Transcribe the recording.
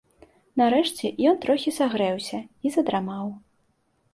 Нарэшце ён трохі сагрэўся і задрамаў.